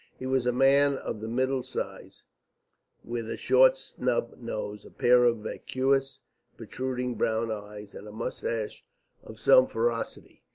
He was a man of the middle size, with a short snub nose, a pair of vacuous protruding brown eyes, and a moustache of some ferocity.